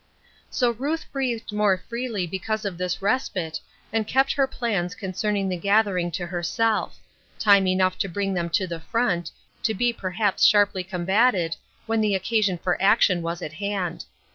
So Ruth breathed more freely because of this respite, and kept her plans concerning the gather ing to herself ; time enough to bring them to the front, to be perhaps sharply combated, when the occasion for action was at hand.